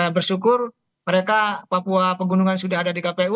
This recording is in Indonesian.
bersyukur mereka papua pegunungan sudah ada di kpu